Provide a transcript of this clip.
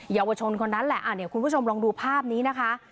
เยาวชนคนนั้นแหละคุณผู้ชมลองดูภาพนี้นะคะ